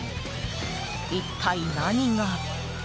一体、何が？